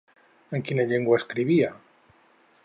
En quina llengua escrivia?